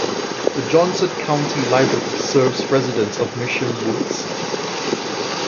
The Johnson County Library serves residents of Mission Woods.